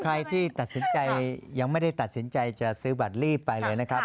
ใครที่ตัดสินใจยังไม่ได้ตัดสินใจจะซื้อบัตรรีบไปเลยนะครับ